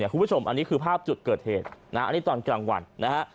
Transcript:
คุณผู้ชมอันนี้คือภาพจุดเกิดเหตุอันนี้ตอนกลางวันนะฮะ